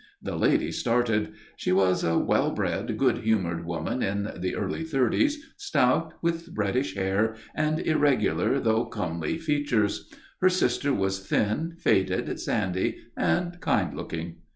The lady started. She was a well bred, good humoured woman in the early thirties, stout, with reddish hair, and irregular though comely features. Her sister was thin, faded, sandy, and kind looking.